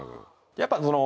やっぱその。